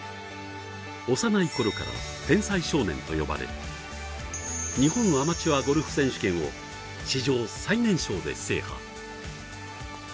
幼いころから天才少年と呼ばれ日本アマチュアゴルフ選手権を史上最年少で制覇。